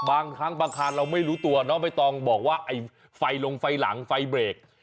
บางครั้งบางคารเราไม่รู้ตัวน้องใบตองบอกว่าไอ้ไฟลงไฟหลังไฟเบรก